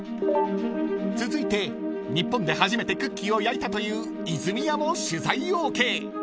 ［続いて日本で初めてクッキーを焼いたという泉屋も取材ＯＫ］